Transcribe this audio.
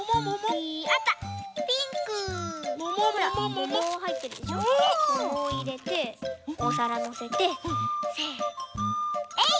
ももいれておさらのせてせのえい！